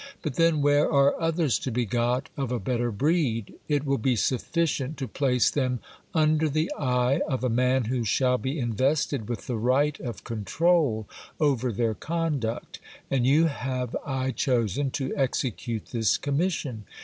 But then where are others to be got of a better breed ? It will be sufficient to place them under the eye of a man who shall be invested with the right of control over their conduct ; and you have I chosen to execute this com mission.